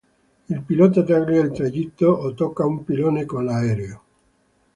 Il pilota taglia il tragitto o tocca un pilone con l'aereo.